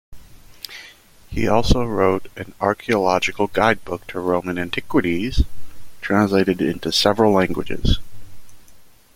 He also wrote an archeological guide book to Roman antiquities, translated into several languages.